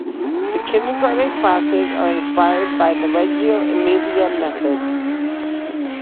The kindergarten classes are inspired by the Reggio Emilia method.